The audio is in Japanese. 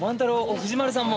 藤丸さんも！